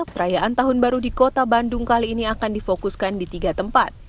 perayaan tahun baru di kota bandung kali ini akan difokuskan di tiga tempat